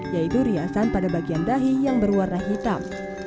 yaitu riasan pada bagian dahi yang berwarna hitam